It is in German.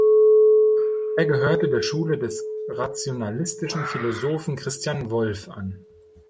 Er gehörte der Schule des rationalistischen Philosophen Christian Wolff an.